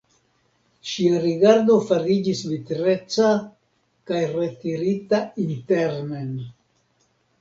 Ŝia rigardo fariĝis vitreca kaj retirita internen.